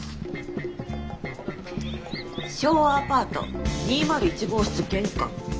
「昭和アパート２０１号室玄関。